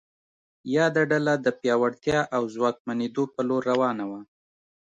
یاده ډله د پیاوړتیا او ځواکمنېدو په لور روانه وه.